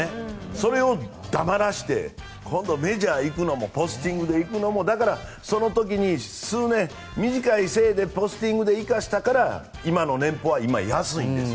それを黙らせてメジャーに行くのもポスティングで行くのもその時に数年、短いせいでポスティングで行かせたから今の年俸は安いんです。